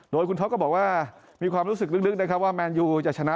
โดยคุณท็อปก็บอกว่ามีความรู้สึกลึกนะครับว่าแมนยูจะชนะ